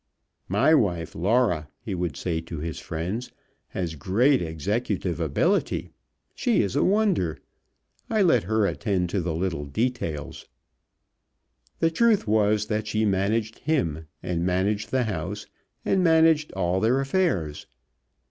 "My wife Laura," he would say to his friends, "has great executive ability. She is a wonder. I let her attend to the little details." The truth was that she managed him, and managed the house, and managed all their affairs.